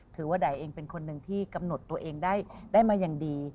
ว่าใดเองเป็นคนหนึ่งที่กำหนดตัวเองได้มาอย่างดี